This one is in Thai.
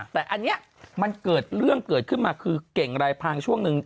แต่อันนี้มันเกิดเรื่องเกิดขึ้นมาคือเก่งรายพางช่วงหนึ่ง